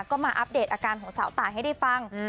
ก็มาอัปเดตอาการของสาวตายให้ได้ฟัง